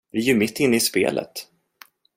Vi är ju mitt inne i spelet.